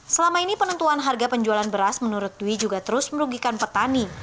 selama ini penentuan harga penjualan beras menurut dwi juga terus merugikan petani